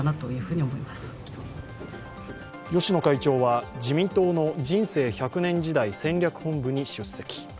芳野会長は自民党の人生１００年時代戦略本部に出席。